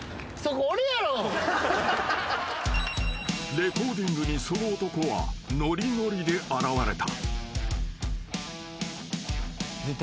［レコーディングにその男はノリノリで現れた］